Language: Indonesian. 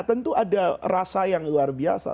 tentu ada rasa yang luar biasa